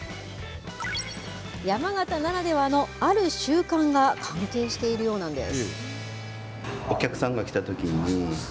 山形ならではの、ある習慣が関係しているようなんです。